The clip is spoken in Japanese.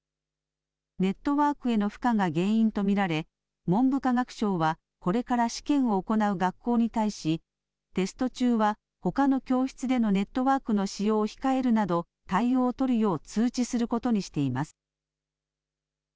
ネットワークへの負荷が原因と見られ文部科学省はこれから試験を行う学校に対しテスト中は、ほかの教室でのネットワークの使用を控えるなど対応を取るよう通知することにしています。